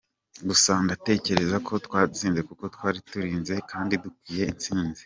Gusa ndatekereza ko twatsinze kuko twari turenze kandi dukwiye intsinzi.